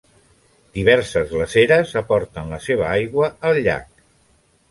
Diverses glaceres aporten la seva aigua al llac.